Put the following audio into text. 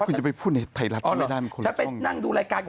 สมัยคือหนุ่มกันฉันเป็นคนงกแขก